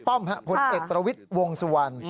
ฮ่าฮ่าฮลงสังวัล